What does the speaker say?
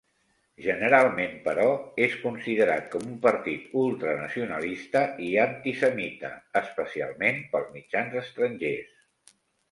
Generalment però, és considerat com un partit ultranacionalista i antisemita, especialment pels mitjans estrangers.